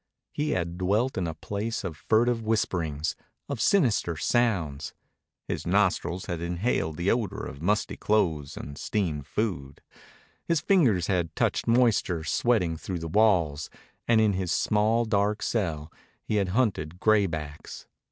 He had dwelt in a place of furtive whisperings, of sinister sounds. His nostrils had inhaled the odor of musty clothes and steamed food. His fingers had touched moisture sweating through the walls, and in his small dark cell he had hunted graybacks.